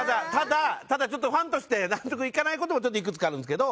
ただちょっとファンとして納得いかない事もいくつかあるんですけど。